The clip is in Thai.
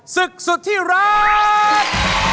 ศึกสุดที่รัก